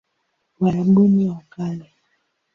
Uarabuni wa Kale